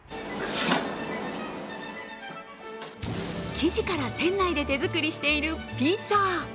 生地から店内で手作りしているピザ。